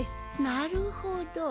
なるほど。